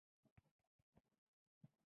فریدګل په ډېره ستونزه په خپل ځای کې کېناست